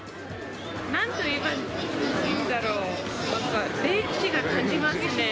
なんと言えばいいんだろう、歴史を感じますね。